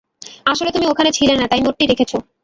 আসলে তুমি ওখানে ছিলে না, তাই নোটটি রেখেছ।